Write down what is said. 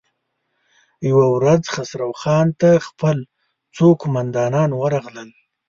يوه ورځ خسرو خان ته خپل څو قوماندان ورغلل.